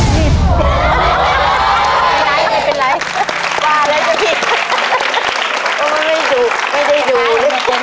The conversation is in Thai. ผมไม่ได้ดู